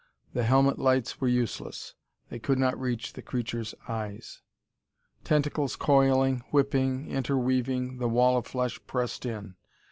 The helmet lights were useless. They could not reach the creatures' eyes. Tentacles coiling, whipping, interweaving, the wall of flesh pressed in.